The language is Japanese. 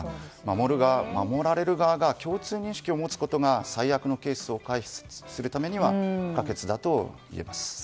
守る側、守られる側が共通認識を持つことが最悪のケースを回避するためには不可欠といえます。